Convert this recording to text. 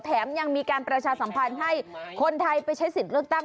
แถมยังมีการประชาสัมพันธ์ให้คนไทยไปใช้สิทธิ์เลือกตั้ง